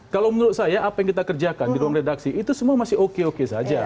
kalau menurut saya apa yang kita kerjakan di ruang redaksi itu semua masih oke oke saja